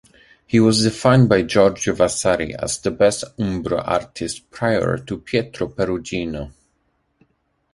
He was defined by Giorgio Vasari as the best umbro artist prior to Pietro Perugino.